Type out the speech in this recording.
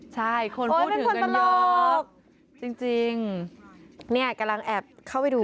ใช่คนพูดถึงกันน็อกจริงเนี่ยกำลังแอบเข้าไปดู